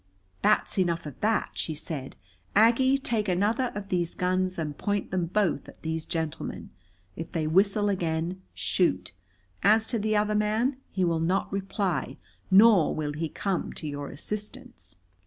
"That's enough of that," she said. "Aggie, take another of these guns and point them both at these gentlemen. If they whistle again, shoot. As to the other man, he will not reply, nor will he come to your assistance.